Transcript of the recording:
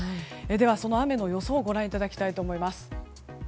では、雨の予想をご覧いただきたいと思います。